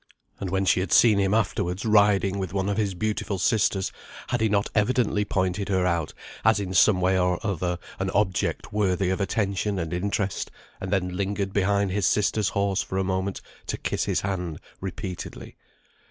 And when she had seen him afterwards riding with one of his beautiful sisters, had he not evidently pointed her out as in some way or other an object worthy of attention and interest, and then lingered behind his sister's horse for a moment to kiss his hand repeatedly.